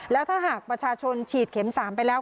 แล้วถ้าหากประชาชนฉีดเข็ม๓ไปแล้ว